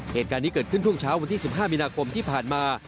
เหตุการณ์นี้เกิดขึ้นช่วงเช้าวันที่๑๕มีนาคมที่ผ่านมา